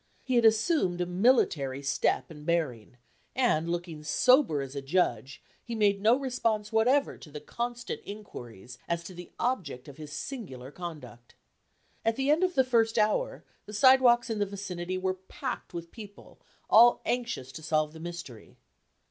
He had assumed a military step and bearing, and looking as sober as a judge, he made no response whatever to the constant inquiries as to the object of his singular conduct. At the end of the first hour, the sidewalks in the vicinity were packed with people all anxious to solve the mystery.